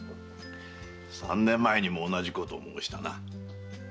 三年前にも同じことを申したな。